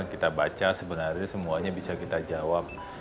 kita baca sebenarnya semuanya bisa kita jawab